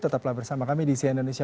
tetaplah bersama kami di cnn indonesia